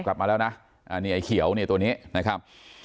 กลับมาแล้วนะนี่ไอ้เขียวเนี่ยตัวนี้นะครับ